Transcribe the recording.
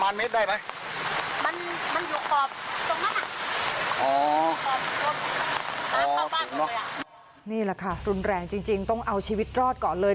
นี่แหละค่ะรุนแรงจริงต้องเอาชีวิตรอดก่อนเลย